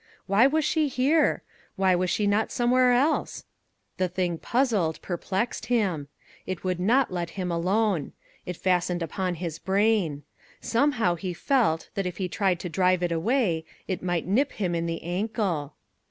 Why was she here? Why was she not somewhere else? The thing puzzled, perplexed him. It would not let him alone. It fastened upon his brain. Somehow he felt that if he tried to drive it away, it might nip him in the ankle.